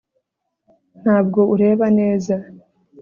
Ntabwo ureba neza